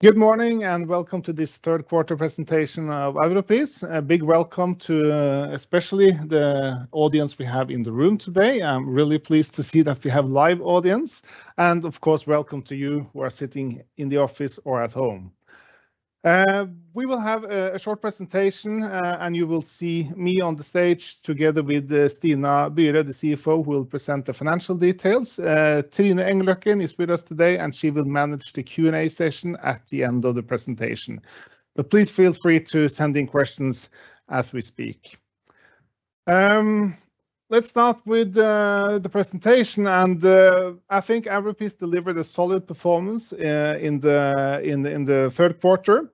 Good morning, and welcome to this third quarter presentation of Europris. A big welcome to especially the audience we have in the room today. I'm really pleased to see that we have live audience, and of course, welcome to you who are sitting in the office or at home. We will have a short presentation, and you will see me on the stage together with Stina Byre, the CFO, who will present the financial details. Trine Engløkken is with us today, and she will manage the Q&A session at the end of the presentation. Please feel free to send in questions as we speak. Let's start with the presentation, and I think Europris delivered a solid performance in the third quarter.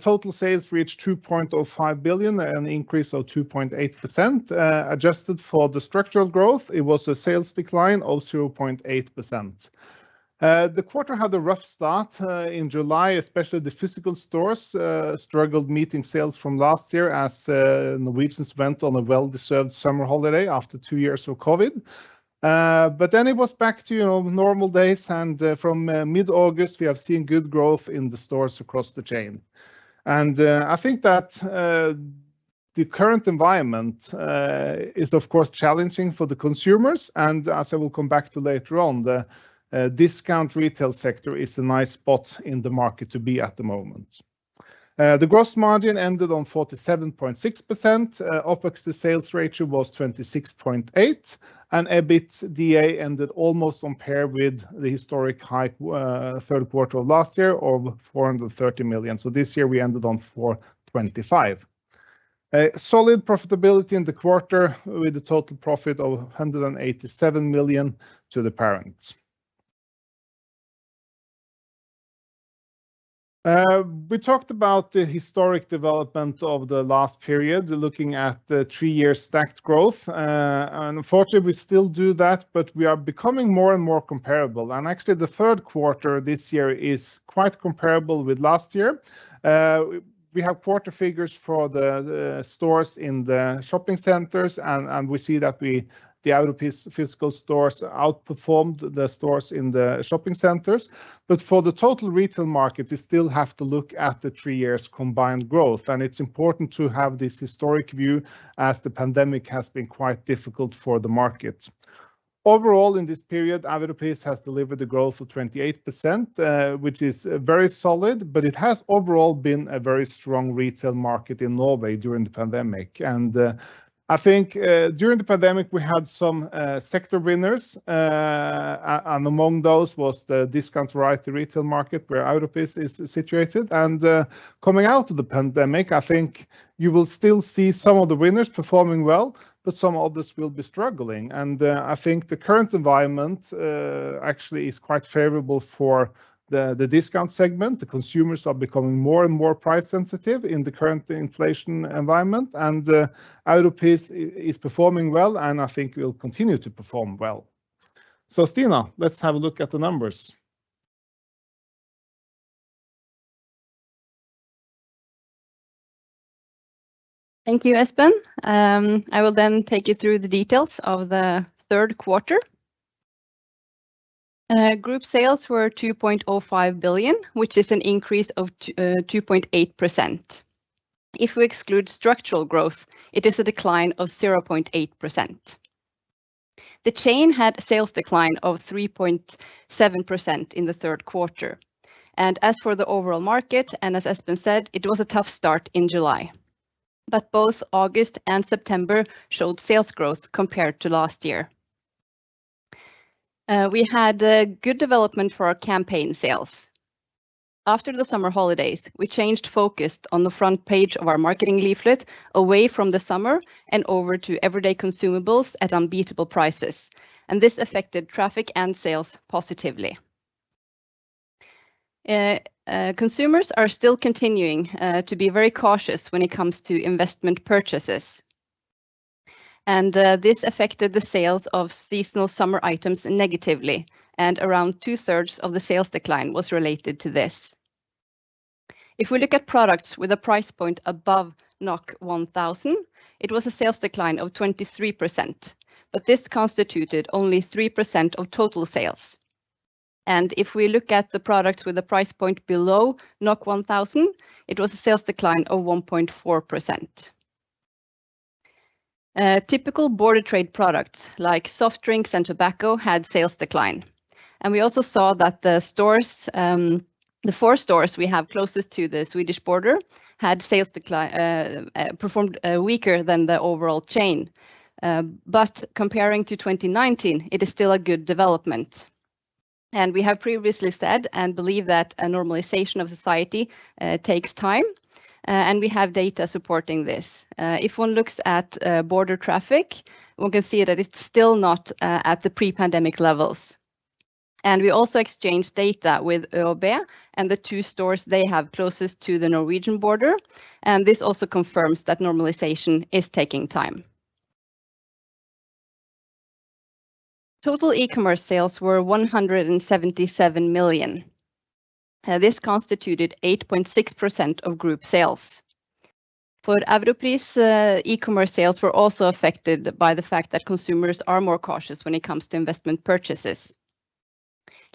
Total sales reached 2.05 billion, an increase of 2.8%. Adjusted for the structural growth, it was a sales decline of 0.8%. The quarter had a rough start in July, especially the physical stores struggled meeting sales from last year as Norwegians went on a well-deserved summer holiday after two years of COVID. It was back to, you know, normal days, and from mid-August, we have seen good growth in the stores across the chain. I think that the current environment is of course challenging for the consumers, and as I will come back to later on, the discount retail sector is a nice spot in the market to be at the moment. The gross margin ended on 47.6%. OpEx, the sales ratio was 26.8%, and EBITDA ended almost on par with the historic high, third quarter of last year of 430 million. This year we ended on 425 million. A solid profitability in the quarter with a total profit of 187 million to the parents. We talked about the historic development of the last period, looking at the three-year stacked growth. Unfortunately we still do that, but we are becoming more and more comparable, and actually the third quarter this year is quite comparable with last year. We have quarter figures for the stores in the shopping centers and we see that the Europris physical stores outperformed the stores in the shopping centers. For the total retail market, we still have to look at the three years combined growth, and it's important to have this historic view as the pandemic has been quite difficult for the market. Overall, in this period, Europris has delivered a growth of 28%, which is very solid, but it has overall been a very strong retail market in Norway during the pandemic. I think during the pandemic, we had some sector winners, and among those was the discount variety retail market where Europris is situated. Coming out of the pandemic, I think you will still see some of the winners performing well, but some others will be struggling. I think the current environment actually is quite favorable for the discount segment. The consumers are becoming more and more price sensitive in the current inflation environment, and Europris is performing well, and I think we'll continue to perform well. Stina, let's have a look at the numbers. Thank you, Espen. I will then take you through the details of the third quarter. Group sales were 2.05 billion, which is an increase of 2.8%. If we exclude structural growth, it is a decline of 0.8%. The chain had sales decline of 3.7% in the third quarter. As for the overall market, and as Espen said, it was a tough start in July. Both August and September showed sales growth compared to last year. We had a good development for our campaign sales. After the summer holidays, we changed focus on the front page of our marketing leaflet away from the summer and over to everyday consumables at unbeatable prices, and this affected traffic and sales positively. Consumers are still continuing to be very cautious when it comes to investment purchases, and this affected the sales of seasonal summer items negatively, and around 2/3 of the sales decline was related to this. If we look at products with a price point above 1000, it was a sales decline of 23%, but this constituted only 3% of total sales. If we look at the products with a price point below 1000, it was a sales decline of 1.4%. Typical border trade products like soft drinks and tobacco had sales decline. We also saw that the four stores we have closest to the Swedish border had sales decline, performed weaker than the overall chain. Comparing to 2019, it is still a good development. We have previously said and believe that a normalization of society takes time, and we have data supporting this. If one looks at border traffic, we can see that it's still not at the pre-pandemic levels. We also exchanged data with ÖoB and the two stores they have closest to the Norwegian border, and this also confirms that normalization is taking time. Total e-commerce sales were 177 million. This constituted 8.6% of group sales. For Europris, e-commerce sales were also affected by the fact that consumers are more cautious when it comes to investment purchases.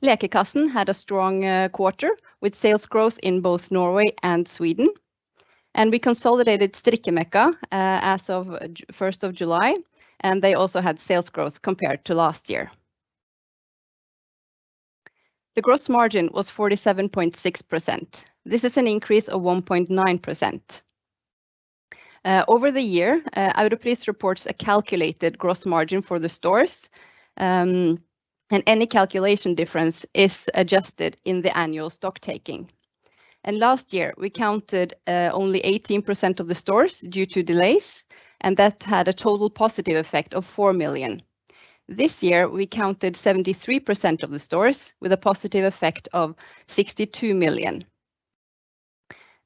Lekekassen had a strong quarter, with sales growth in both Norway and Sweden, and we consolidated Strikkemekka as of 1st of July, and they also had sales growth compared to last year. The gross margin was 47.6%. This is an increase of 1.9%. Over the year, Europris reports a calculated gross margin for the stores. Any calculation difference is adjusted in the annual stock taking. Last year we counted only 18% of the stores due to delays, and that had a total positive effect of 4 million. This year we counted 73% of the stores with a positive effect of 62 million.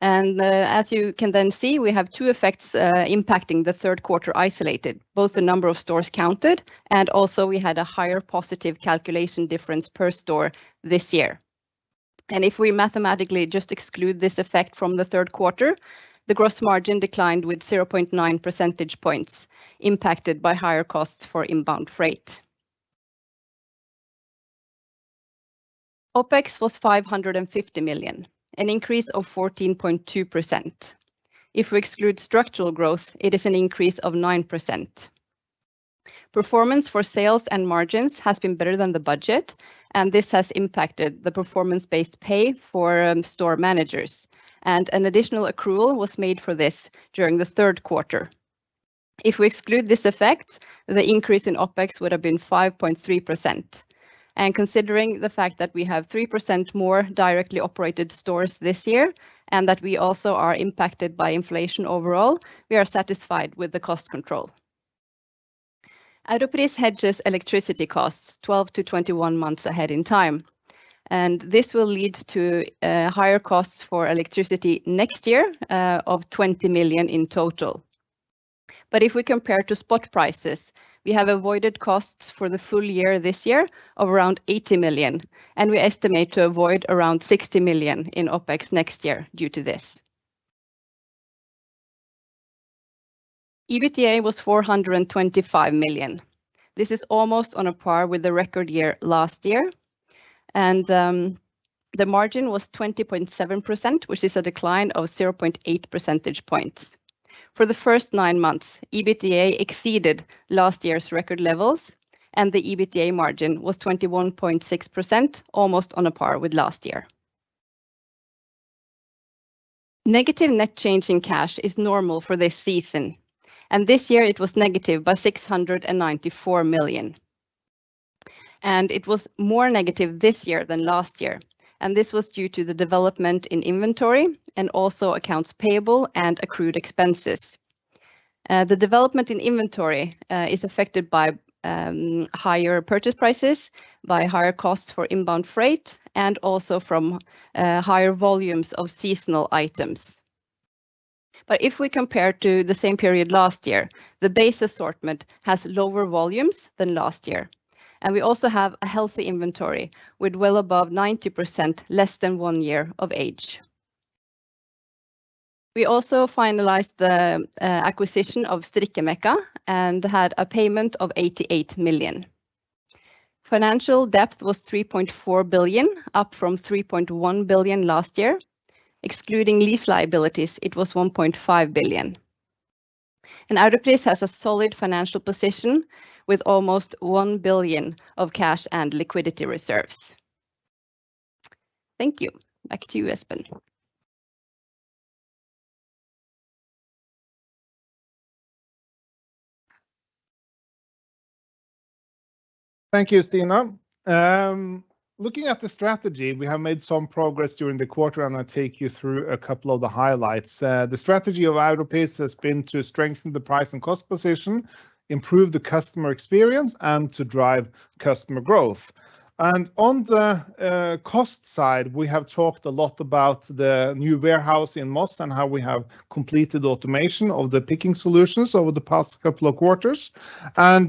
As you can then see, we have two effects impacting the third quarter isolated, both the number of stores counted and also we had a higher positive calculation difference per store this year. If we mathematically just exclude this effect from the third quarter, the gross margin declined with 0.9 percentage points impacted by higher costs for inbound freight. OpEx was 550 million, an increase of 14.2%. If we exclude structural growth, it is an increase of 9%. Performance for sales and margins has been better than the budget, and this has impacted the performance-based pay for store managers. An additional accrual was made for this during the third quarter. If we exclude this effect, the increase in OpEx would have been 5.3%. Considering the fact that we have 3% more directly operated stores this year, and that we also are impacted by inflation overall, we are satisfied with the cost control. Europris hedges electricity costs 12-21 months ahead in time, and this will lead to higher costs for electricity next year of 20 million in total. If we compare to spot prices, we have avoided costs for the full year this year of around 80 million, and we estimate to avoid around 60 million in OpEx next year due to this. EBITDA was 425 million. This is almost on a par with the record year last year. The margin was 20.7%, which is a decline of 0.8 percentage points. For the first nine months, EBITDA exceeded last year's record levels, and the EBITDA margin was 21.6%, almost on a par with last year. Negative net change in cash is normal for this season, and this year it was negative by 694 million. It was more negative this year than last year, and this was due to the development in inventory and also accounts payable and accrued expenses. The development in inventory is affected by higher purchase prices, by higher costs for inbound freight, and also from higher volumes of seasonal items. If we compare to the same period last year, the base assortment has lower volumes than last year, and we also have a healthy inventory with well above 90% less than one year of age. We also finalized the acquisition of Strikkemekka and had a payment of 88 million. Financial depth was 3.4 billion, up from 3.1 billion last year. Excluding lease liabilities, it was 1.5 billion. Europris has a solid financial position with almost 1 billion of cash and liquidity reserves. Thank you. Back to you, Espen. Thank you, Stina. Looking at the strategy, we have made some progress during the quarter, and I'll take you through a couple of the highlights. The strategy of Europris has been to strengthen the price and cost position, improve the customer experience, and to drive customer growth. On the cost side, we have talked a lot about the new warehouse in Moss and how we have completed automation of the picking solutions over the past couple of quarters. I'm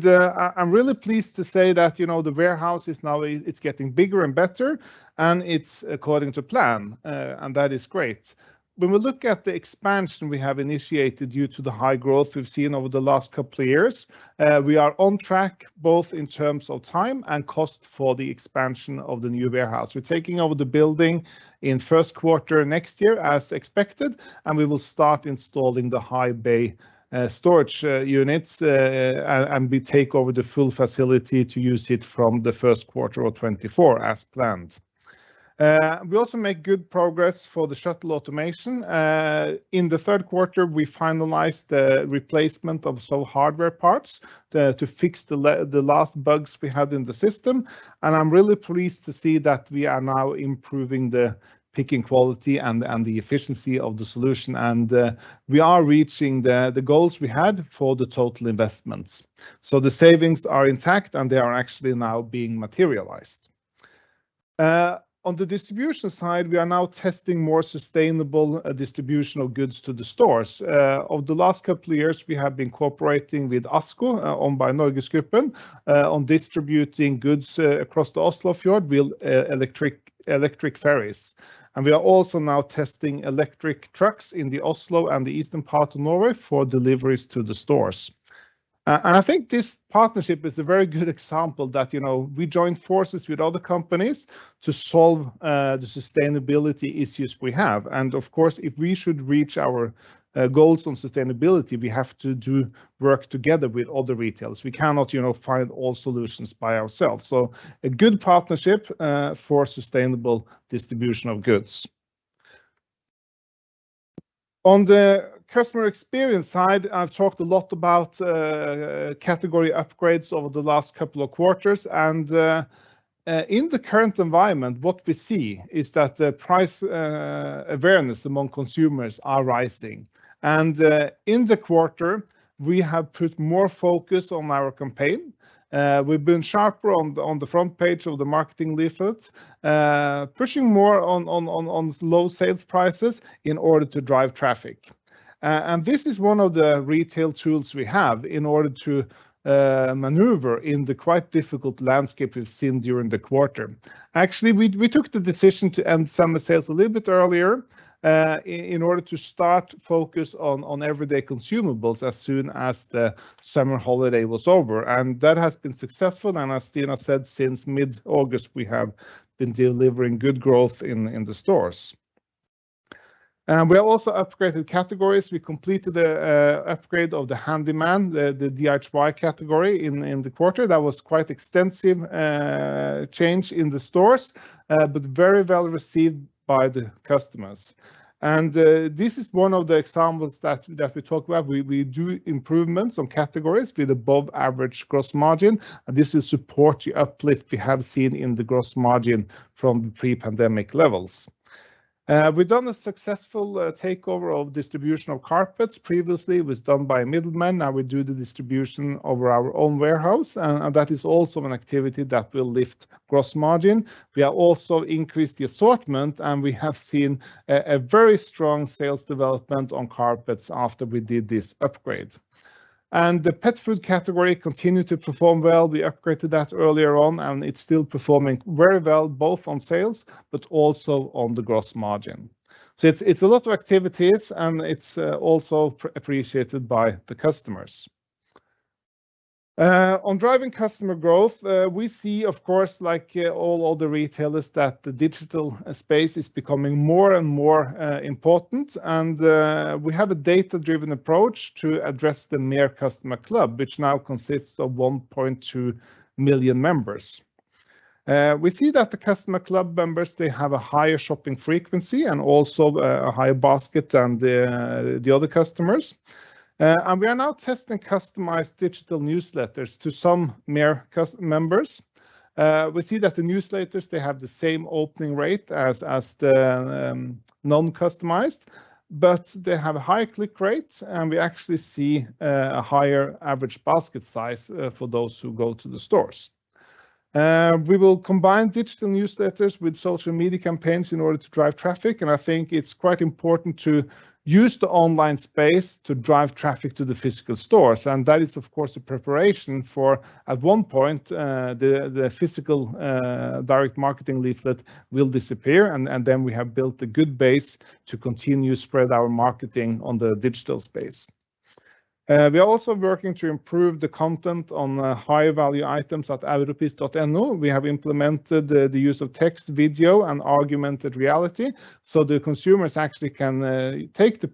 really pleased to say that, you know, the warehouse is now it's getting bigger and better, and it's according to plan, and that is great. When we look at the expansion we have initiated due to the high growth we've seen over the last couple of years, we are on track both in terms of time and cost for the expansion of the new warehouse. We're taking over the building in first quarter next year as expected, and we will start installing the high bay storage units, and we take over the full facility to use it from the first quarter of 2024 as planned. We also make good progress for the shuttle automation. In the third quarter, we finalized the replacement of some hardware parts to fix the last bugs we had in the system. I'm really pleased to see that we are now improving the picking quality and the efficiency of the solution, and we are reaching the goals we had for the total investments. The savings are intact, and they are actually now being materialized. On the distribution side, we are now testing more sustainable distribution of goods to the stores. Over the last couple of years we have been cooperating with ASKO, owned by NorgesGruppen, on distributing goods across the Oslo fjord with electric ferries. We are also now testing electric trucks in the Oslo and the eastern part of Norway for deliveries to the stores. I think this partnership is a very good example that, you know, we join forces with other companies to solve the sustainability issues we have. Of course, if we should reach our goals on sustainability, we have to do work together with other retailers. We cannot, you know, find all solutions by ourselves, so a good partnership for sustainable distribution of goods. On the customer experience side, I've talked a lot about category upgrades over the last couple of quarters, and in the current environment, what we see is that the price awareness among consumers are rising. In the quarter, we have put more focus on our campaign. We've been sharper on the front page of the marketing leaflet, pushing more on low sales prices in order to drive traffic. This is one of the retail tools we have in order to maneuver in the quite difficult landscape we've seen during the quarter. Actually, we took the decision to end summer sales a little bit earlier, in order to start focus on everyday consumables as soon as the summer holiday was over, and that has been successful. As Stina said, since mid-August we have been delivering good growth in the stores. We have also upgraded categories. We completed a upgrade of the handyman, the DIY category in the quarter. That was quite extensive change in the stores, but very well received by the customers. This is one of the examples that we talk about. We do improvements on categories with above average gross margin, and this will support the uplift we have seen in the gross margin from pre-pandemic levels. We've done a successful takeover of distribution of carpets. Previously it was done by middlemen. Now we do the distribution over our own warehouse, and that is also an activity that will lift gross margin. We have also increased the assortment, and we have seen a very strong sales development on carpets after we did this upgrade. The pet food category continued to perform well. We upgraded that earlier on, and it's still performing very well, both on sales, but also on the gross margin. It's a lot of activities, and it's also appreciated by the customers. On driving customer growth, we see of course like all other retailers that the digital space is becoming more and more important. We have a data-driven approach to address the Mer Customer Club, which now consists of 1.2 million members. We see that the customer club members, they have a higher shopping frequency and also a higher basket than the other customers. We are now testing customized digital newsletters to some members. We see that the newsletters, they have the same opening rate as the non-customized, but they have high click rate, and we actually see a higher average basket size for those who go to the stores. We will combine digital newsletters with social media campaigns in order to drive traffic, and I think it's quite important to use the online space to drive traffic to the physical stores. That is of course a preparation for at one point, the physical direct marketing leaflet will disappear, and then we have built a good base to continue to spread our marketing on the digital space. We are also working to improve the content on the high-value items at europris.no. We have implemented the use of text, video, and augmented reality, so the consumers actually can take the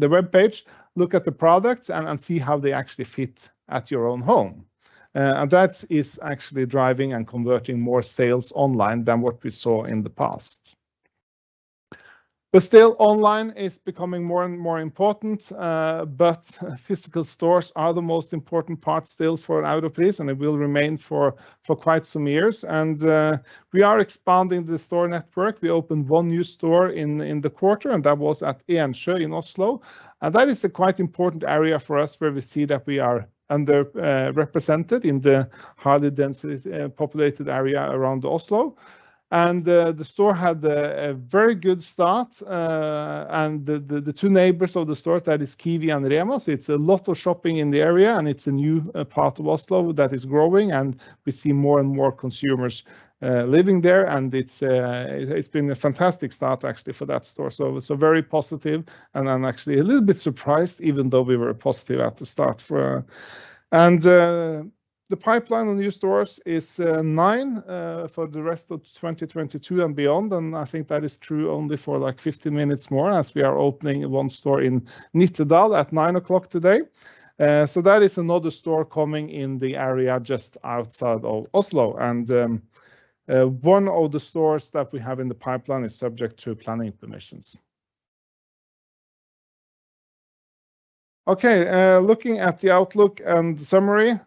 webpage, look at the products, and see how they actually fit at your own home. That is actually driving and converting more sales online than what we saw in the past. Still, online is becoming more and more important. Physical stores are the most important part still for Europris, and it will remain for quite some years. We are expanding the store network. We opened one new store in the quarter, and that was at Ensjø in Oslo, and that is a quite important area for us where we see that we are under represented in the high density populated area around Oslo. The store had a very good start. The two neighbors of the stores, that is Kiwi and Rema 1000, it's a lot of shopping in the area, and it's a new part of Oslo that is growing. We see more and more consumers living there, and it's been a fantastic start actually for that store. Very positive, and I'm actually a little bit surprised even though we were positive at the start for... The pipeline on new stores is nine for the rest of 2022 and beyond. I think that is true only for, like, 50 minutes more as we are opening one store in Nittedal at 9:00 A.M. today. That is another store coming in the area just outside of Oslo. One of the stores that we have in the pipeline is subject to planning permissions. Looking at the outlook and the summary,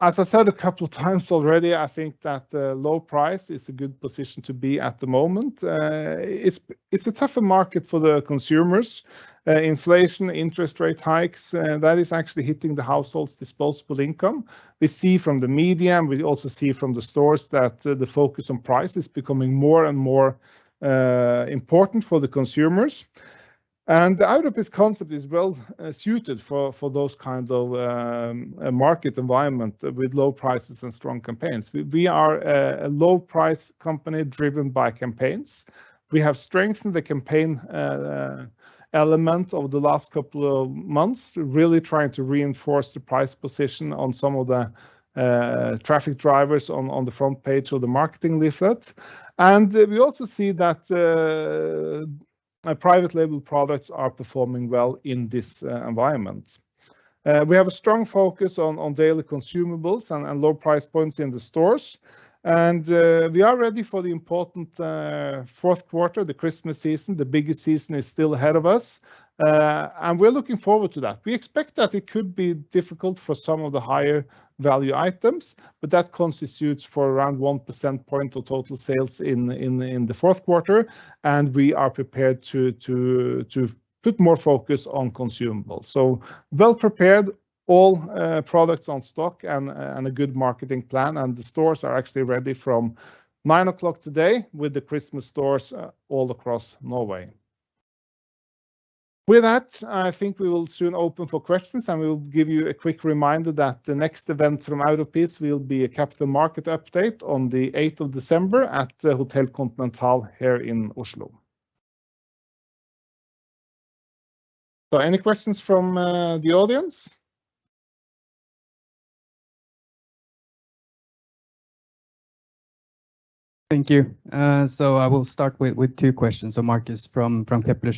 as I said a couple of times already, I think that low price is a good position to be at the moment. It's a tougher market for the consumers. Inflation, interest rate hikes, that is actually hitting the households' disposable income. We see from the media, and we also see from the stores that the focus on price is becoming more and more important for the consumers. The Europris concept is well suited for those kinds of a market environment with low prices and strong campaigns. We are a low price company driven by campaigns. We have strengthened the campaign element over the last couple of months, really trying to reinforce the price position on some of the traffic drivers on the front page of the marketing leaflet. We also see that our private label products are performing well in this environment. We have a strong focus on daily consumables and low price points in the stores. We are ready for the important fourth quarter, the Christmas season, the biggest season is still ahead of us. We're looking forward to that. We expect that it could be difficult for some of the higher value items, but that constitutes for around 1 percentage point of total sales in the fourth quarter. We are prepared to put more focus on consumables. Well prepared, all products in stock and a good marketing plan, and the stores are actually ready from 9:00 A.M. today with the Christmas stores all across Norway. With that, I think we will soon open for questions, and we will give you a quick reminder that the next event from Europris will be a capital market update on the 8th of December at Hotel Continental here in Oslo. Any questions from the audience? Thank you. I will start with two questions. Markus from Kepler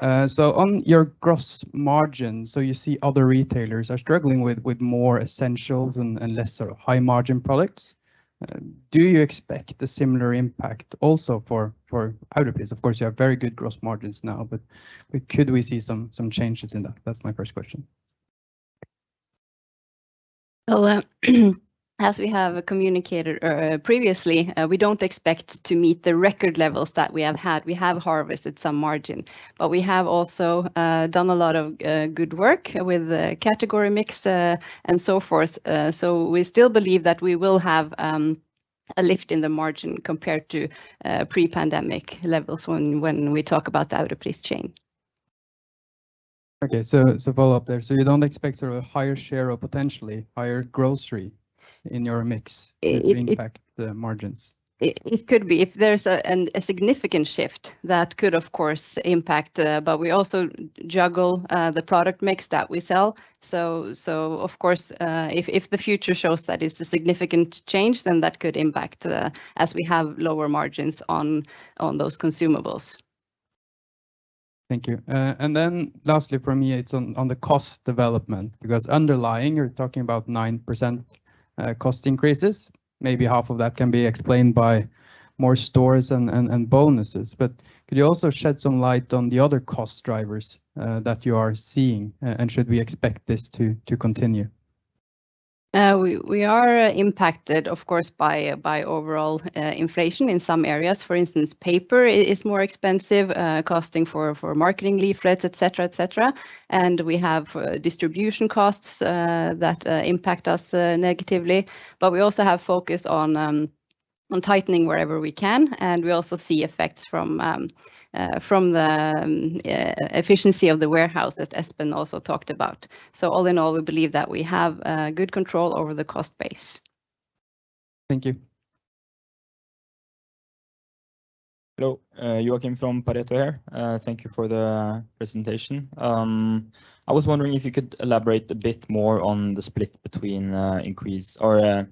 Cheuvreux. On your gross margin, so you see other retailers are struggling with more essentials and less sort of high margin products. Do you expect a similar impact also for Europris? Of course, you have very good gross margins now, but could we see some changes in that? That's my first question. Well, as we have communicated previously, we don't expect to meet the record levels that we have had. We have harvested some margin, but we have also done a lot of good work with the category mix and so forth. We still believe that we will have a lift in the margin compared to pre-pandemic levels when we talk about the Europris chain. Okay. Follow up there. You don't expect sort of a higher share or potentially higher grocery in your mix to impact the margins? It could be. If there's a significant shift, that could of course impact but we also juggle the product mix that we sell. Of course, if the future shows that is a significant change, then that could impact as we have lower margins on those consumables. Thank you. Then lastly from me, it's on the cost development, because underlying, you're talking about 9% cost increases. Maybe half of that can be explained by more stores and bonuses. Could you also shed some light on the other cost drivers that you are seeing? Should we expect this to continue? We are impacted, of course, by overall inflation in some areas. For instance, paper is more expensive, costs for marketing leaflets, et cetera. We have distribution costs that impact us negatively. We also have focus on tightening wherever we can, and we also see effects from the efficiency of the warehouse that Espen also talked about. All in all, we believe that we have good control over the cost base. Thank you. Hello. Joakim from Pareto here. Thank you for the presentation. I was wondering if you could elaborate a bit more on the split between increased or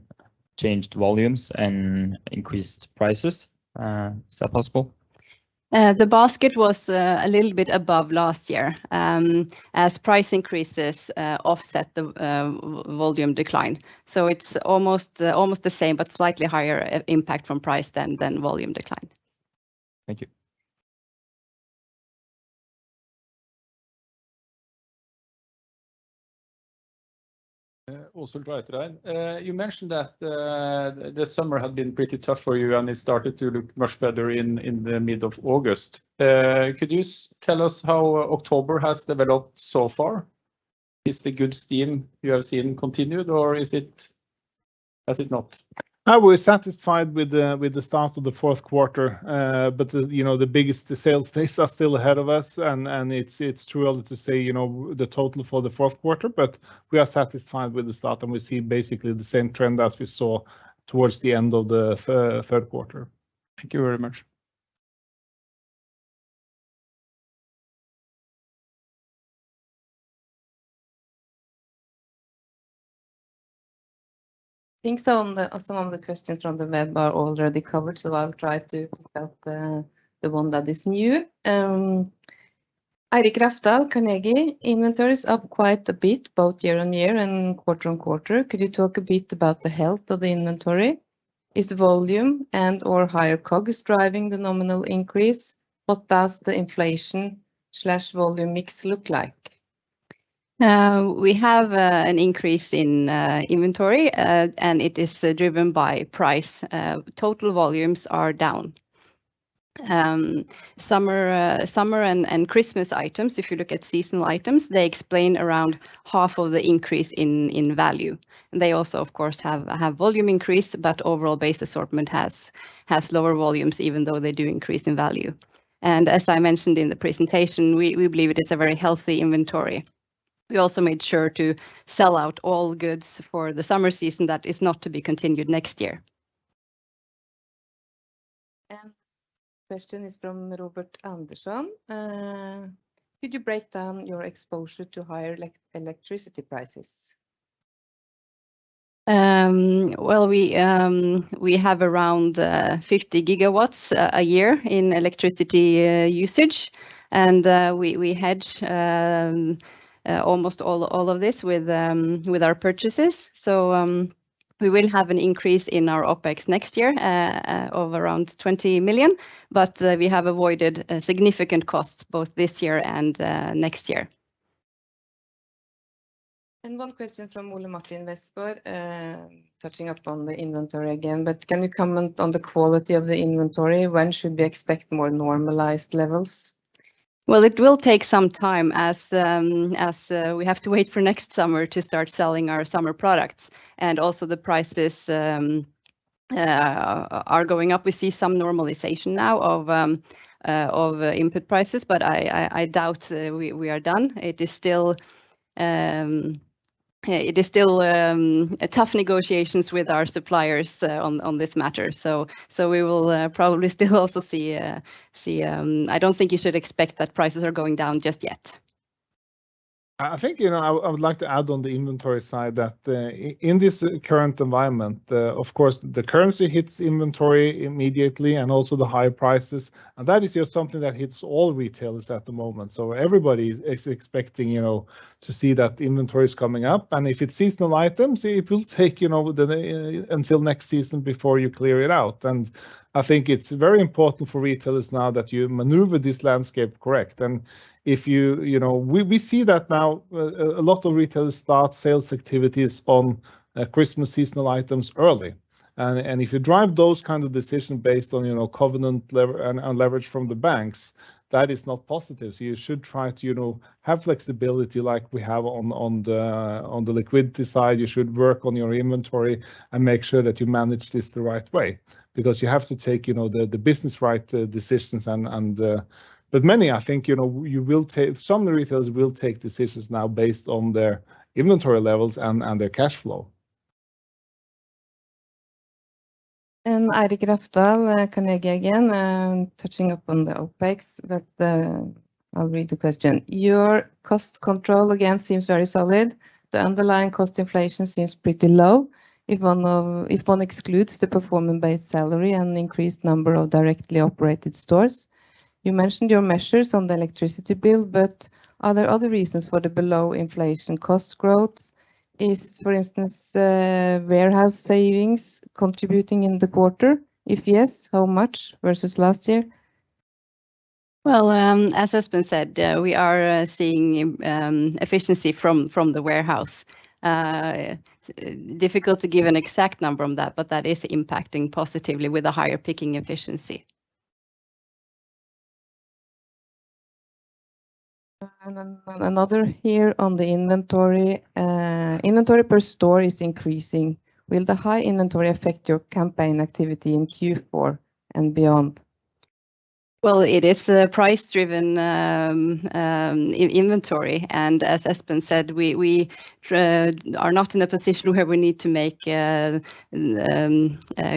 changed volumes and increased prices. Is that possible? The basket was a little bit above last year, as price increases offset the volume decline. It's almost the same, but slightly higher impact from price than volume decline. Thank you. We have an increase in inventory, and it is driven by price. Total volumes are down. Summer and Christmas items, if you look at seasonal items, they explain around half of the increase in value. They also, of course, have volume increase, but overall base assortment has lower volumes, even though they do increase in value. As I mentioned in the presentation, we believe it is a very healthy inventory. We also made sure to sell out all goods for the summer season that is not to be continued next year. Question is from Robert Anderson. Could you break down your exposure to higher electricity prices? Well, we have around 50 GW a year in electricity usage, and we hedge almost all of this with our purchases. We will have an increase in our OpEx next year of around 20 million, but we have avoided a significant cost both this year and next year. One question from Ole Martin Westgaard, touching upon the inventory again, but can you comment on the quality of the inventory? When should we expect more normalized levels? Well, it will take some time as we have to wait for next summer to start selling our summer products, and also the prices are going up. We see some normalization now of input prices, but I doubt we are done. It is still a tough negotiations with our suppliers on this matter. We will probably still also see. I don't think you should expect that prices are going down just yet. I think, you know, I would like to add on the inventory side that in this current environment, of course, the currency hits inventory immediately and also the higher prices, and that is just something that hits all retailers at the moment. Everybody is expecting, you know, to see that inventory is coming up, and if it's seasonal items, it will take, you know, until next season before you clear it out. I think it's very important for retailers now that you maneuver this landscape correctly. If you know, we see that now a lot of retailers start sales activities on Christmas seasonal items early. If you drive those kind of decisions based on, you know, covenant leverage from the banks, that is not positive. You should try to, you know, have flexibility like we have on the liquidity side. You should work on your inventory and make sure that you manage this the right way because you have to take, you know, the right business decisions. I think many, you know, some retailers will take decisions now based on their inventory levels and their cash flow. Eirik Røftel, Kepler Cheuvreux again, touching up on the OpEx, but I'll read the question. Your cost control again seems very solid. The underlying cost inflation seems pretty low if one excludes the performance-based salary and increased number of directly operated stores. You mentioned your measures on the electricity bill, but are there other reasons for the below inflation cost growth? For instance, warehouse savings contributing in the quarter? If yes, how much versus last year? Well, as has been said, we are seeing efficiency from the warehouse. Difficult to give an exact number on that, but that is impacting positively with a higher picking efficiency. Another here on the inventory. Inventory per store is increasing. Will the high inventory affect your campaign activity in Q4 and beyond? Well, it is a price driven inventory, and as Espen said, we are not in a position where we need to make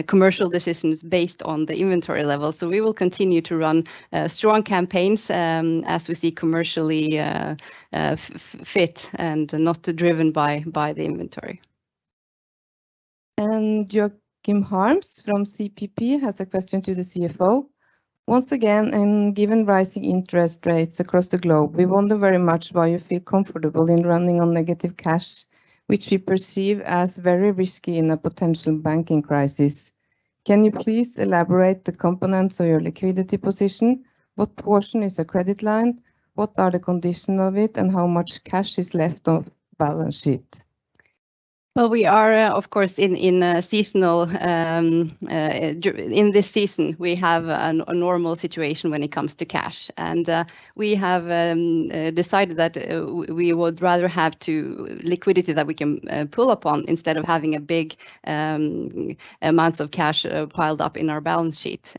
commercial decisions based on the inventory levels. We will continue to run strong campaigns, as we see commercially fit and not driven by the inventory. Joachim Sannes from CPP has a question to the CFO: Once again, given rising interest rates across the globe, we wonder very much why you feel comfortable in running on negative cash, which we perceive as very risky in a potential banking crisis. Can you please elaborate the components of your liquidity position? What portion is a credit line? What are the conditions of it, and how much cash is left on balance sheet? Well, we are, of course, in this season, we have a normal situation when it comes to cash, and we have decided that we would rather have the liquidity that we can pull upon instead of having big amounts of cash piled up in our balance sheet.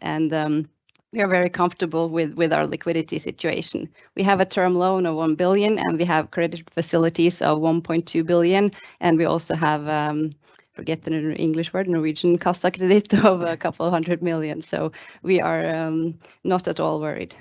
We are very comfortable with our liquidity situation. We have a term loan of 1 billion, and we have credit facilities of 1.2 billion, and we also have, forget the English word, Norwegian kassekreditt of a couple of hundred million. We are not at all worried.